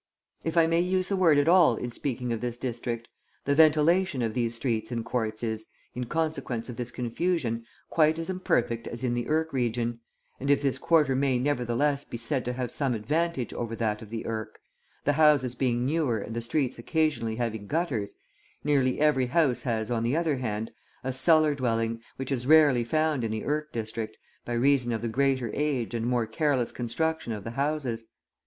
If I may use the word at all in speaking of this district, the ventilation of these streets and courts is, in consequence of this confusion, quite as imperfect as in the Irk region; and if this quarter may, nevertheless, be said to have some advantage over that of the Irk, the houses being newer and the streets occasionally having gutters, nearly every house has, on the other hand, a cellar dwelling, which is rarely found in the Irk district, by reason of the greater age and more careless construction of the houses.